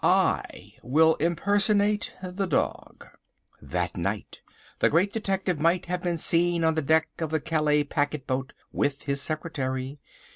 I WILL IMPERSONATE THE DOG_!!!_" That night the Great Detective might have been seen on the deck of the Calais packet boat with his secretary.